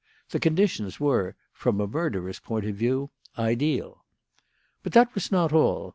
The conditions were, from a murderer's point of view, ideal. "But that was not all.